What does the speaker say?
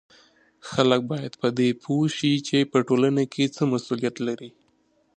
خلک باید په دې پوه سي چې په ټولنه کې څه مسولیت لري